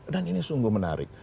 dan ini sungguh menarik